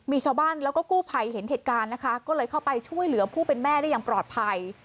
มีชาวบ้านแล้วก็กู้ภัยเห็นเหตุการณ์นะคะก็เลยเข้าไปช่วยเหลือผู้เป็นแม่ได้อย่างปลอดภัย